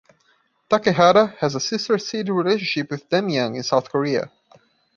Takehara has a sister city relationship with Damyang in South Korea.